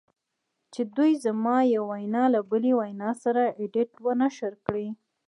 چې دوی زما یوه وینا له بلې وینا سره ایډیټ و نشر کړې